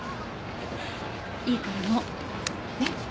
いいからもうね？